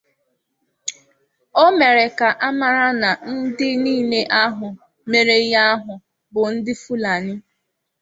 O mere ka a mara na ndị niile ahụ mere ihe ahụ bụ ndị Fulani